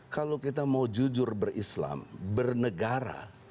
kalau kita mau jujur berislam bernegara